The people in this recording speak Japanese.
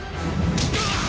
うわっ！